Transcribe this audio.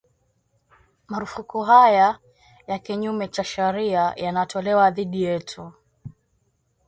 Marufuku haya ya kinyume cha sharia yanatolewa dhidi yetu